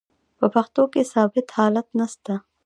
په پښتو کښي ثابت حالت نسته.